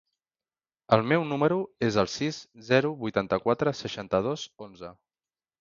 El meu número es el sis, zero, vuitanta-quatre, seixanta-dos, onze.